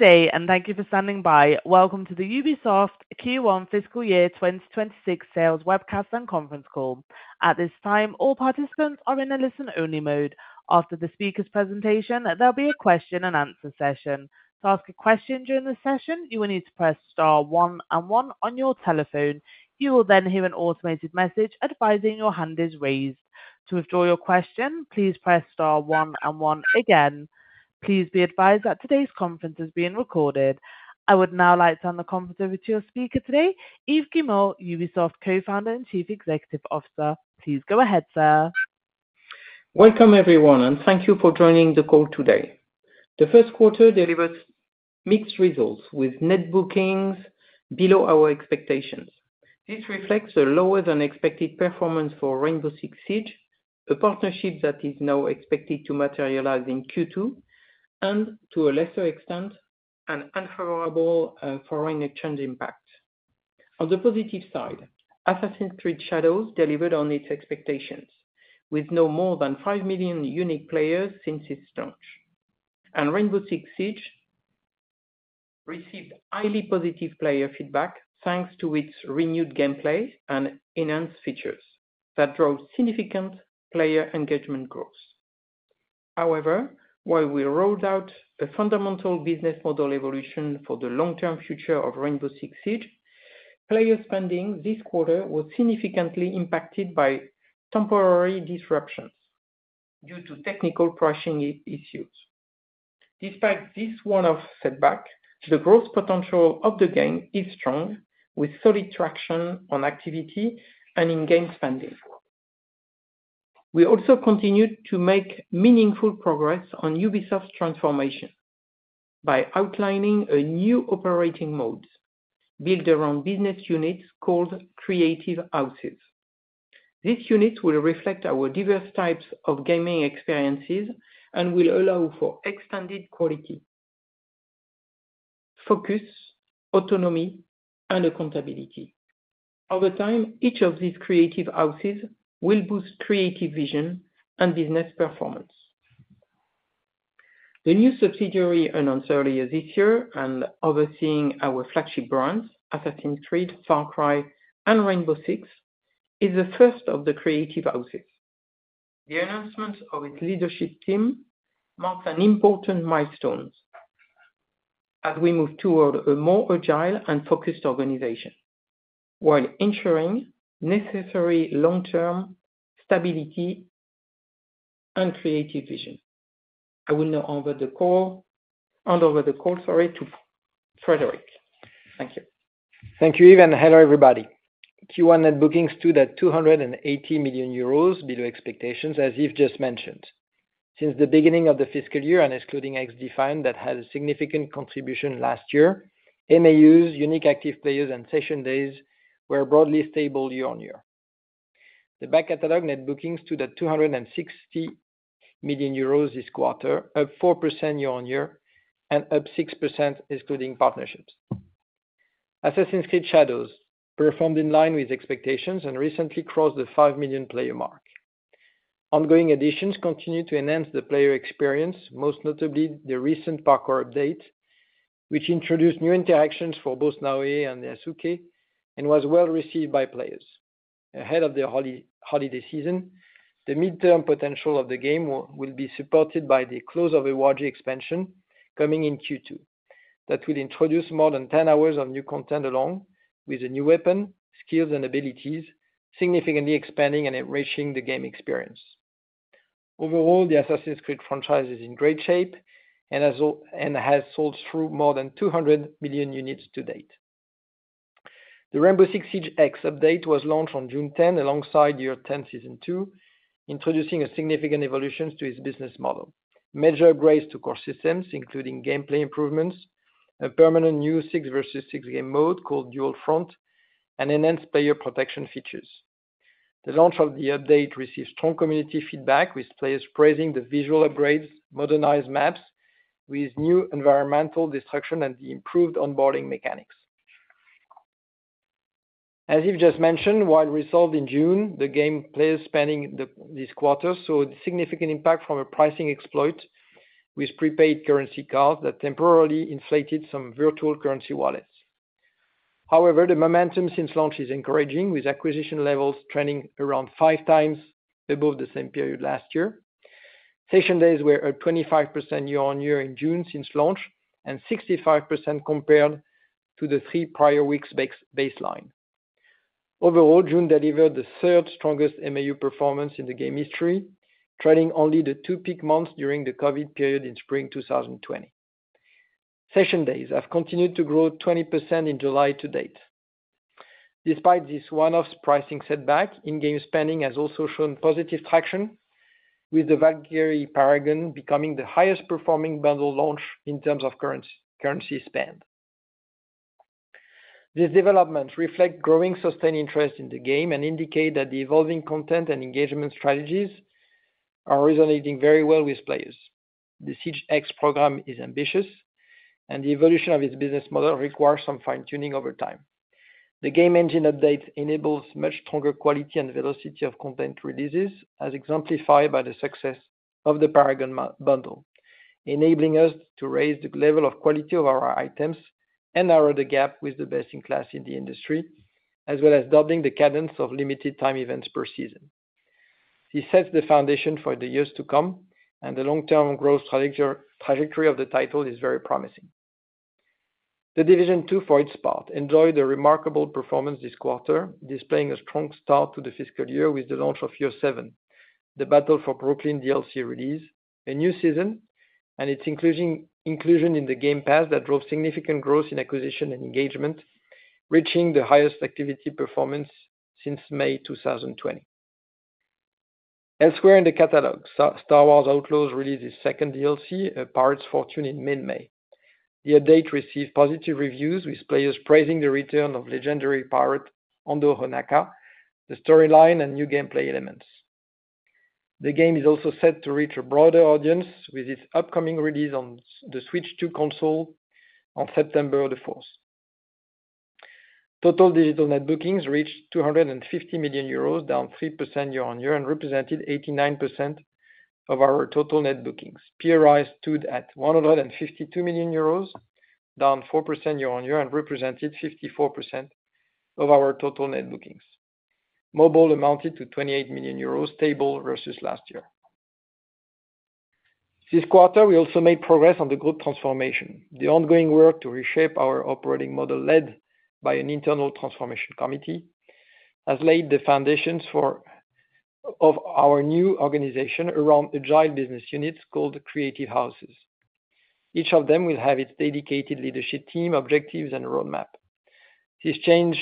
Stay, and thank you for standing by. Welcome to the Ubisoft Q1 fiscal year 2026 sales webcast and conference call. At this time, all participants are in a listen-only mode. After the speaker's presentation, there'll be a question and answer session. To ask a question during the session, you will need to press star one and one on your telephone. You will then hear an automated message advising your hand is raised. To withdraw your question, please press star one and one again. Please be advised that today's conference is being recorded. I would now like to hand the conference over to your speaker today, Yves Guillemot, Ubisoft Co-Founder and Chief Executive Officer. Please go ahead, sir. Welcome, everyone, and thank you for joining the call today. The first quarter delivered mixed results with net bookings below our expectations. This reflects a lower than expected performance for Rainbow Six Siege, a partnership that is now expected to materialize in Q2, and to a lesser extent, an unfavorable foreign exchange impact. On the positive side, Assassin’s Creed Shadows delivered on its expectations, with no more than 5 million unique players since its launch. Rainbow Six Siege received highly positive player feedback thanks to its renewed gameplay and enhanced features that drove significant player engagement growth. However, while we rolled out a fundamental business model evolution for the long-term future of Rainbow Six Siege, player spending this quarter was significantly impacted by temporary disruptions due to technical pricing issues. Despite this one-off setback, the growth potential of the game is strong, with solid traction on activity and in-game spending. We also continued to make meaningful progress on Ubisoft’s transformation by outlining a new operating mode built around business units called Creative Houses. This unit will reflect our diverse types of gaming experiences and will allow for extended quality, focus, autonomy, and accountability. Over time, each of these Creative Houses will boost creative vision and business performance. The new subsidiary announced earlier this year and overseeing our flagship brands, Assassin’s Creed, Far Cry, and Rainbow Six, is the first of the Creative Houses. The announcement of its leadership team marks an important milestone as we move toward a more agile and focused organization while ensuring necessary long-term stability and creative vision. I will now hand the call over to Frederick. Thank you. Thank you, Yves, and hello, everybody. Q1 net bookings stood at 280 million euros, below expectations, as Yves just mentioned. Since the beginning of the fiscal year, and excluding XDefiant that had a significant contribution last year, MAUs, unique active players, and session days were broadly stable year on year. The back catalog net bookings stood at 260 million euros this quarter, up 4% year-on-year, and up 6% excluding partnerships. Assassin's Creed Shadows performed in line with expectations and recently crossed the 5 million player mark. Ongoing additions continue to enhance the player experience, most notably the recent parkour update, which introduced new interactions for both Naoe and Yasuke, and was well received by players. Ahead of the holiday season, the midterm potential of the game will be supported by the close of a wage expansion coming in Q2 that will introduce more than 10 hours of new content along with a new weapon, skills, and abilities, significantly expanding and enriching the game experience. Overall, the Assassin's Creed franchise is in great shape and has sold through more than 200 million units to date. The Rainbow Six Siege X update was launched on June 10 alongside Year 10 Season 2, introducing significant evolutions to its business model. Major upgrades to core systems, including gameplay improvements, a permanent new 6 versus 6 game mode called Dual Front, and enhanced player protection features. The launch of the update received strong community feedback, with players praising the visual upgrades, modernized maps with new environmental destruction, and the improved onboarding mechanics. As Yves just mentioned, while resolved in June, the game players spending this quarter saw a significant impact from a pricing exploit with prepaid currency cards that temporarily inflated some virtual currency wallets. However, the momentum since launch is encouraging, with acquisition levels trending around five times above the same period last year. Session days were up 25% year on year in June since launch, and 65% compared to the three prior weeks' baseline. Overall, June delivered the third strongest MAU performance in the game history, trending only the two peak months during the COVID period in spring 2020. Session days have continued to grow 20% in July to date. Despite this one-off pricing setback, in-game spending has also shown positive traction, with the Valkyrie Paragon becoming the highest performing bundle launch in terms of currency spend. These developments reflect growing sustained interest in the game and indicate that the evolving content and engagement strategies are resonating very well with players. The Siege X program is ambitious, and the evolution of its business model requires some fine-tuning over time. The game engine update enables much stronger quality and velocity of content releases, as exemplified by the success of the Paragon bundle, enabling us to raise the level of quality of our items and narrow the gap with the best in class in the industry, as well as doubling the cadence of limited time events per season. This sets the foundation for the years to come, and the long-term growth trajectory of the title is very promising. The Division 2, for its part, enjoyed a remarkable performance this quarter, displaying a strong start to the fiscal year with the launch of Year 7, the Battle for Brooklyn DLC release, a new season, and its inclusion in the Game Pass that drove significant growth in acquisition and engagement, reaching the highest activity performance since May 2020. Elsewhere in the catalog, Star Wars Outlaws released its second DLC, A Pirate's Fortune, in mid-May. The update received positive reviews, with players praising the return of legendary pirate Hondo Ohnaka, the storyline, and new gameplay elements. The game is also set to reach a broader audience with its upcoming release on the Switch 2 console on September 4. Total digital net bookings reached 250 million euros, down 3% year-on-year, and represented 89% of our total net bookings. PRI stood at 152 million euros, down 4% year-on-year, and represented 54% of our total net bookings. Mobile amounted to 28 million euros, stable versus last year. This quarter, we also made progress on the group transformation. The ongoing work to reshape our operating model, led by an internal transformation committee, has laid the foundations of our new organization around agile business units called Creative Houses. Each of them will have its dedicated leadership team, objectives, and roadmap. This change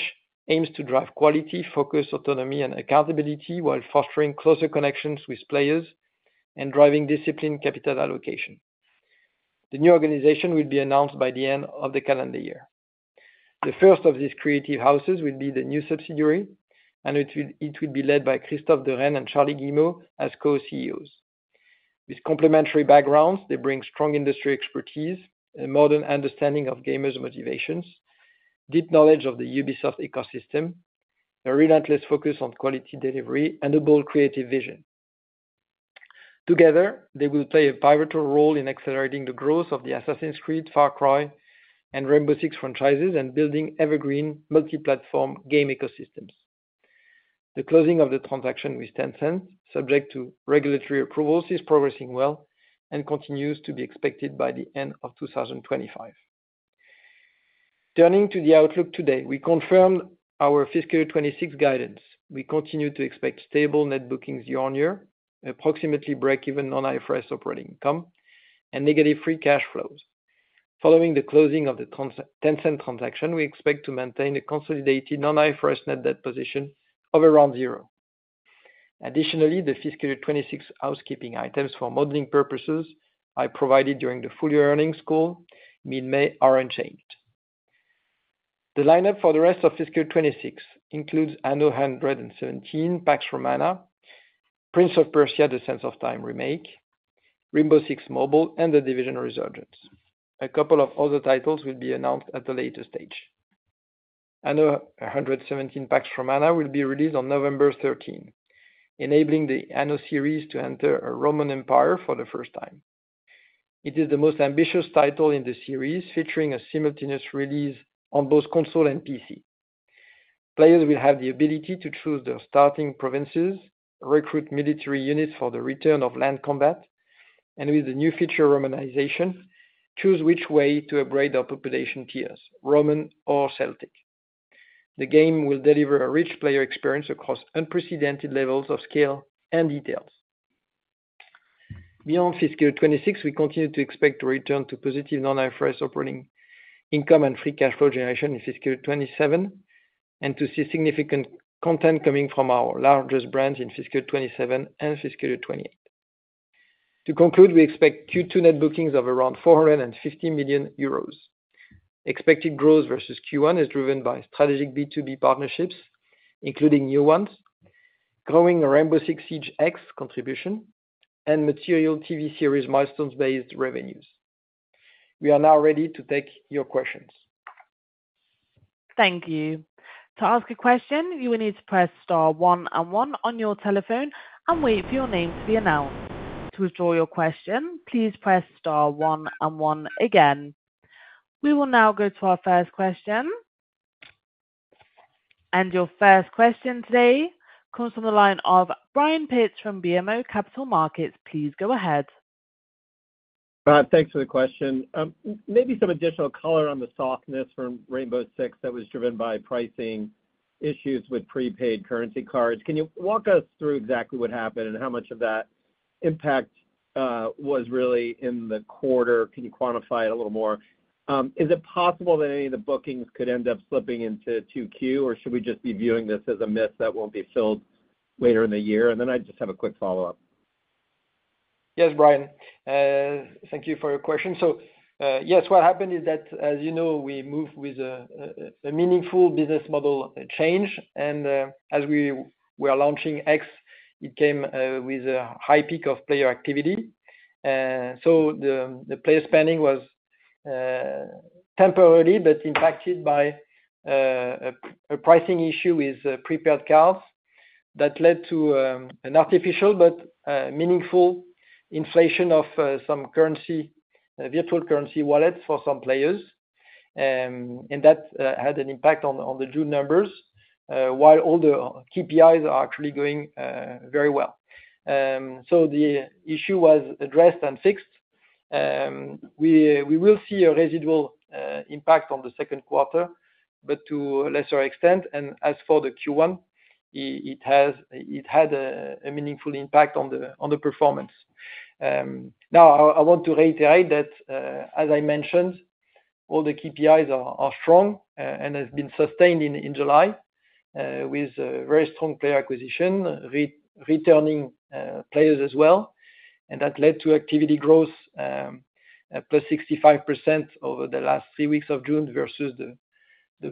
aims to drive quality, focus, autonomy, and accountability while fostering closer connections with players and driving disciplined capital allocation. The new organization will be announced by the end of the calendar year. The first of these Creative Houses will be the new subsidiary, and it will be led by Christophe Derennes and Charlie Guillemot as Co-CEOs. With complementary backgrounds, they bring strong industry expertise, a modern understanding of gamers' motivations, deep knowledge of the Ubisoft ecosystem, a relentless focus on quality delivery, and a bold creative vision. Together, they will play a pivotal role in accelerating the growth of the Assassin’s Creed, Far Cry, and Rainbow Six franchises, and building evergreen multi-platform game ecosystems. The closing of the transaction with Tencent, subject to regulatory approvals, is progressing well and continues to be expected by the end of 2025. Turning to the outlook today, we confirmed our fiscal year 2026 guidance. We continue to expect stable net bookings year on year, approximately break-even non-IFRS operating income, and negative free cash flows. Following the closing of the Tencent transaction, we expect to maintain a consolidated non-IFRS net debt position of around zero. Additionally, the fiscal year 2026 housekeeping items for modeling purposes I provided during the full year earnings call mid-May are unchanged. The lineup for the rest of fiscal year 2026 includes Anno 117: Pax Romana, Prince of Persia: The Sands of Time Remake, Rainbow Six Mobile, and The Division Resurgence. A couple of other titles will be announced at a later stage. Anno 117: Pax Romana will be released on November 13, enabling the Anno series to enter a Roman Empire for the first time. It is the most ambitious title in the series, featuring a simultaneous release on both console and PC. Players will have the ability to choose their starting provinces, recruit military units for the return of land combat, and with the new feature Romanization, choose which way to upgrade our population tiers: Roman or Celtic. The game will deliver a rich player experience across unprecedented levels of scale and details. Beyond fiscal year 2026, we continue to expect a return to positive non-IFRS operating income and free cash flow generation in fiscal year 2027, and to see significant content coming from our largest brands in fiscal year 2027 and fiscal year 2028. To conclude, we expect Q2 net bookings of around 450 million euros. Expected growth versus Q1 is driven by strategic B2B partnerships, including new ones, growing a Rainbow Six Siege X contribution, and material TV series milestones-based revenues. We are now ready to take your questions. Thank you. To ask a question, you will need to press star one and one on your telephone and wait for your name to be announced. To withdraw your question, please press star one and one again. We will now go to our first question. Your first question today comes from the line of Brian Pitz from BMO Capital Markets. Please go ahead. Thanks for the question. Maybe some additional color on the softness from Rainbow Six Siege that was driven by pricing issues with prepaid currency cards. Can you walk us through exactly what happened and how much of that impact was really in the quarter? Can you quantify it a little more? Is it possible that any of the bookings could end up slipping into Q2, or should we just be viewing this as a myth that won't be filled later in the year? I just have a quick follow-up. Yes, Brian. Thank you for your question. Yes, what happened is that, as you know, we moved with a meaningful business model change, and as we were launching X, it came with a high peak of player activity. The player spending was temporarily impacted by a pricing issue with prepaid currency cards that led to an artificial but meaningful inflation of some virtual currency wallets for some players. That had an impact on the June numbers, while all the KPIs are actually going very well. The issue was addressed and fixed. We will see a residual impact on the second quarter, but to a lesser extent. As for Q1, it had a meaningful impact on the performance. I want to reiterate that, as I mentioned, all the KPIs are strong and have been sustained in July with very strong player acquisition, returning players as well. That led to activity growth +65% over the last three weeks of June versus the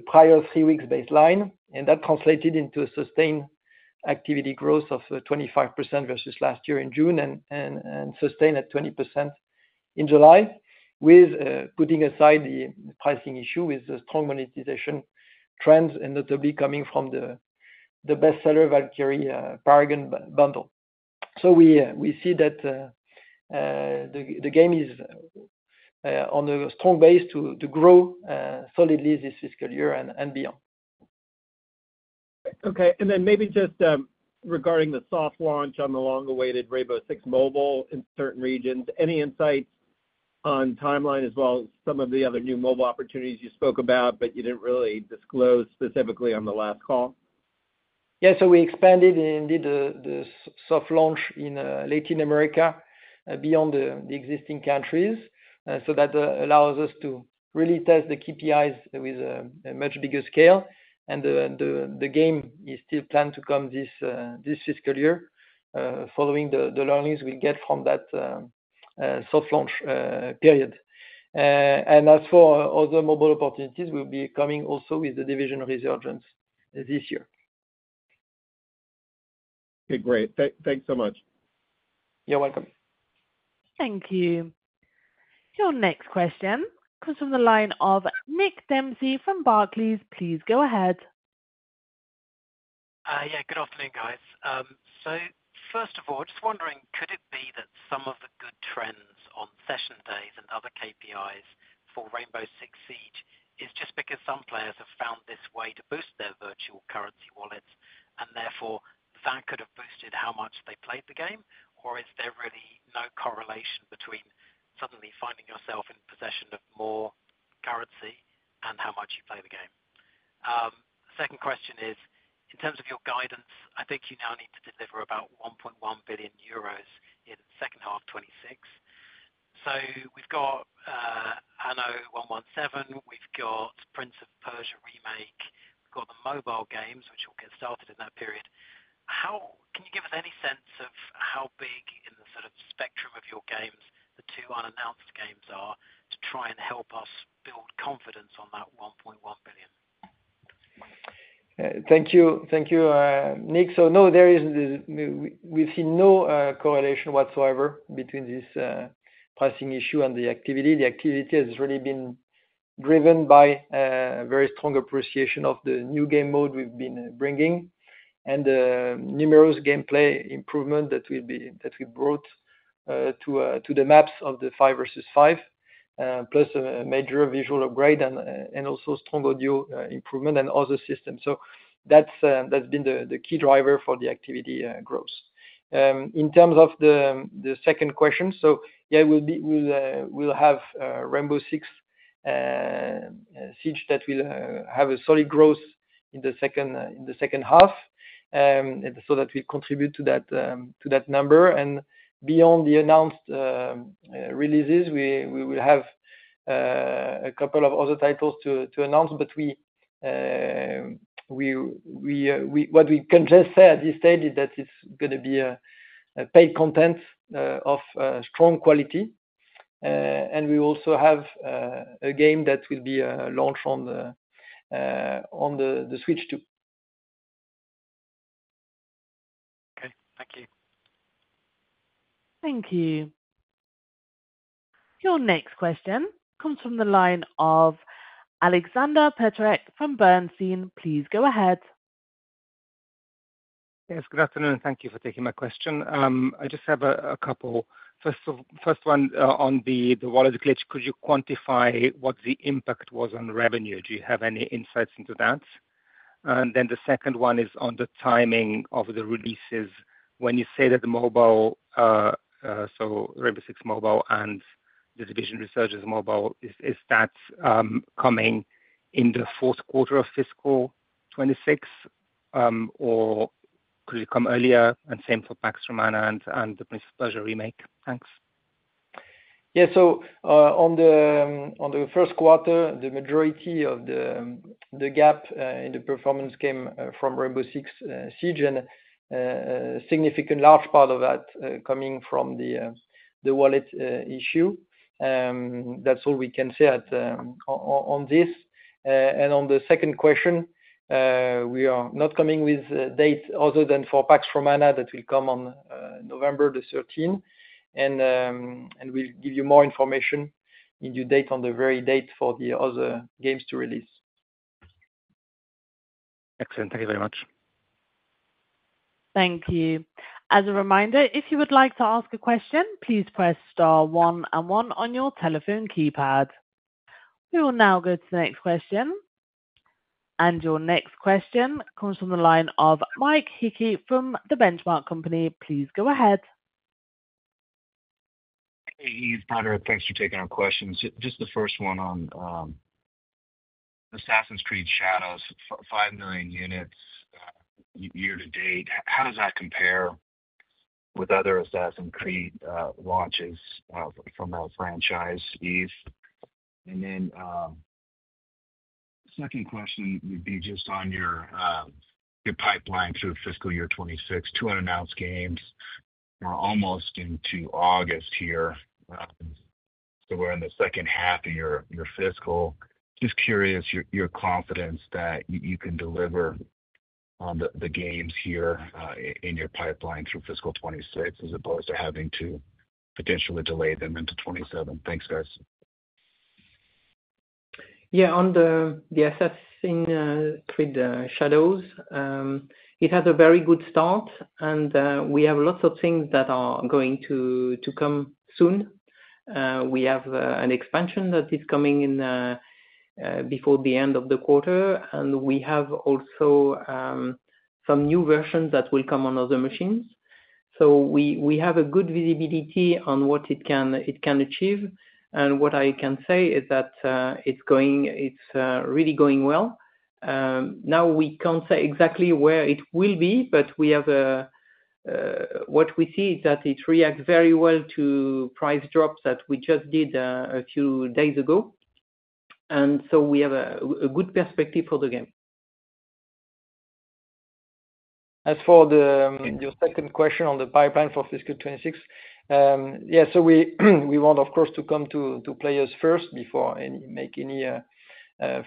prior three-week baseline. That translated into a sustained activity growth of 25% versus last year in June and sustained at 20% in July, putting aside the pricing issue with strong monetization trends, and notably coming from the bestseller Valkyrie Paragon bundle. We see that the game is on a strong base to grow solidly this fiscal year and beyond. Okay. Maybe just regarding the soft launch on the long-awaited Rainbow Six Mobile in certain regions, any insight on timeline as well as some of the other new mobile opportunities you spoke about, but you didn't really disclose specifically on the last call? We expanded indeed the soft launch in Latin America beyond the existing countries. That allows us to really test the KPIs with a much bigger scale. The game is still planned to come this fiscal year, following the learnings we get from that soft launch period. As for other mobile opportunities, we'll be coming also with The Division Resurgence this year. Okay, great. Thanks so much. You're welcome. Thank you. Your next question comes from the line of Nick Dempsey from Barclays. Please go ahead. Good afternoon, guys. First of all, I'm just wondering, could it be that some of the good trends on session days and other KPIs for Rainbow Six Siege is just because some players have found this way to boost their virtual currency wallets, and therefore that could have boosted how much they played the game? Is there really no correlation between suddenly finding yourself in possession of more currency and how much you play the game? Second question is, in terms of your guidance, I think you now need to deliver about 1.1 billion euros in the second half of 2026. We've got Anno 117, we've got Prince of Persia remake, we've got the mobile games, which will get started in that period. Can you give us any sense of how big in the sort of spectrum of your games the two unannounced games are to try and help us build confidence on that EUR 1.1 billion? Thank you, Nick. No, there isn't. We've seen no correlation whatsoever between this pricing issue and the activity. The activity has really been driven by a very strong appreciation of the new game mode we've been bringing and the numerous gameplay improvements that we brought to the maps of the five versus five, plus a major visual upgrade and also strong audio improvement and all the systems. That's been the key driver for the activity growth. In terms of the second question, we'll have Rainbow Six Siege that will have solid growth in the second half, so that will contribute to that number. Beyond the announced releases, we will have a couple of other titles to announce, but what we can just say at this stage is that it's going to be paid content of strong quality. We also have a game that will be launched on the Switch 2. Okay, thank you. Thank you. Your next question comes from the line of Alexander Peterc from Bernstein. Please go ahead. Yes, good afternoon. Thank you for taking my question. I just have a couple. First one on the wallet glitch. Could you quantify what the impact was on revenue? Do you have any insights into that? The second one is on the timing of the releases. When you say that the mobile, so Rainbow Six Mobile and The Division Resurgence, is that coming in the fourth quarter of fiscal 2026, or could it come earlier? Same for Pax Romana and the Prince of Persia remake. Thanks. On the first quarter, the majority of the gap in the performance came from Rainbow Six Siege, and a significant large part of that coming from the wallet issue. That's all we can say on this. On the second question, we are not coming with dates other than for Pax Romana that will come on November 13. We'll give you more information on the very date for the other games to release. Excellent. Thank you very much. Thank you. As a reminder, if you would like to ask a question, please press star one and one on your telephone keypad. We will now go to the next question. Your next question comes from the line of Mike Hickey from The Benchmark Company. Please go ahead. Hey, Yves, thanks for taking our questions. The first one on Assassin’s Creed Shadows, 5 million units year to date. How does that compare with other Assassin’s Creed launches from that franchise, Yves? The second question would be just on your pipeline through FY 2026. Two unannounced games are almost into August here. We’re in the second half of your fiscal. I’m just curious your confidence that you can deliver on the games here in your pipeline through FY 2026 as opposed to having to potentially delay them into FY 2027. Thanks, guys. Yeah, on the Assassin’s Creed Shadows, it has a very good start. We have lots of things that are going to come soon. We have an expansion that is coming in before the end of the quarter, and we have also some new versions that will come on other machines. We have a good visibility on what it can achieve. What I can say is that it's really going well. We can't say exactly where it will be, but what we see is that it reacts very well to price drops that we just did a few days ago. We have a good perspective for the game. As for your second question on the pipeline for FY 2026, we want, of course, to come to players first before we make any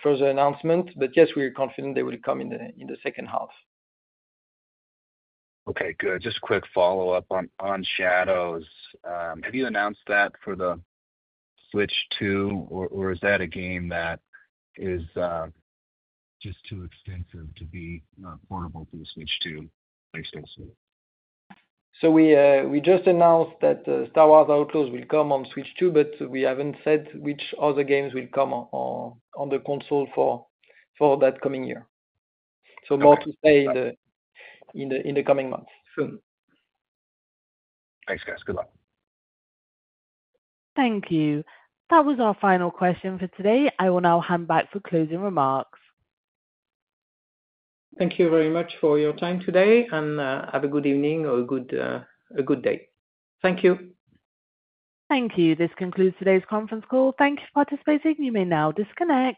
further announcement. Yes, we are confident they will come in the second half. Okay, good. Just a quick follow-up on Shadows. Have you announced that for the Switch 2, or is that a game that is just too expensive to be portable for the Switch 2? We just announced that Star Wars Outlaws will come on Switch 2, but we haven't said which other games will come on the console for that coming year. There is more to say in the coming months. Thanks, guys. Good luck. Thank you. That was our final question for today. I will now hand back for closing remarks. Thank you very much for your time today, and have a good evening or a good day. Thank you. Thank you. This concludes today's conference call. Thank you for participating. You may now disconnect.